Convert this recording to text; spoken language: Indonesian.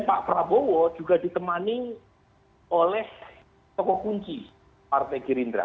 pak prabowo juga ditemani oleh tokoh kunci partai gerindra